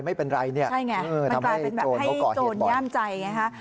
ใช่ไงมันกลายเป็นแบบให้โจรแย่มใจ